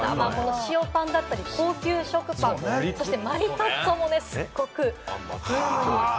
塩パンだったり、高級食パン、そしてマリトッツォもすごくブームになりましたよね。